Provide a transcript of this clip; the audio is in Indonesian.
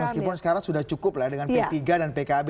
meskipun sekarang sudah cukup lah dengan p tiga dan pkb